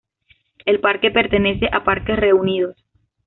El parque pertenece a Parques Reunidos.